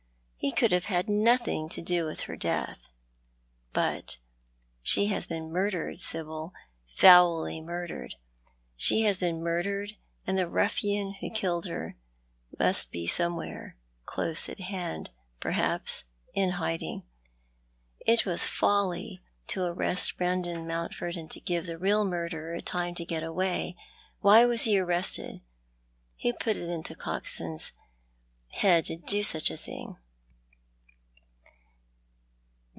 He could have had nothing to do with her death. But she has been murdered, Sibyl— foully murdered. She has been murdered, and tlic ruflRan who killed her must be some where close at hand, perhaps— in hiding. It was folly to arrest Brandon IMountford and give the real murderer time to got away. "Why was ho arrested? "Who put it into Coxou's held to do such a thing